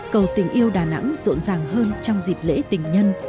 cầu tình yêu đà nẵng rộn ràng hơn trong dịp lễ tình nhân